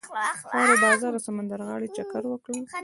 د ښار و بازار او سمندر غاړې چکر وکړ.